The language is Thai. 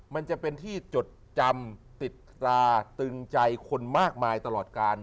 มันจะเป็นที่จดจำติดตราตึงใจคนมากมายตลอดกาล